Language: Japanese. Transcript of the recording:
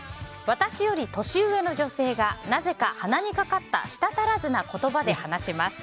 私より年上の女性がなぜか、鼻にかかった舌足らずな言葉で話します。